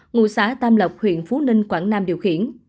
ngụ xã tam lộc huyện phú ninh quảng nam điều khiển